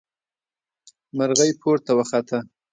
مرغۍ پورته وخته.